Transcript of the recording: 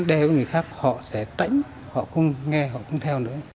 đeo người khác họ sẽ tránh họ không nghe họ không theo nữa